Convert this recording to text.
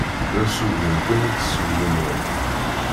D asugen kan i tessuguneḍ.